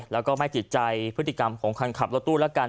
แล้วก็ไม่ติดใจพฤติกรรมของคนขับรถตู้แล้วกัน